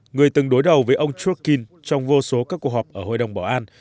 người từng đối đầu với ông churckin trong vô số các cuộc họp ở hội đồng bảo an